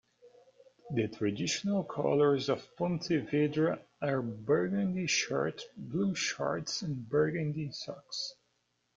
The traditional colours of Pontevedra are burgundy shirt, blue shorts and burgundy socks.